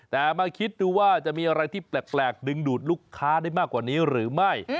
แต่มาคิดดูว่าจะมีอะไรที่แปลกดึงดูดลูกค้าได้มากกว่านี้หรือไม่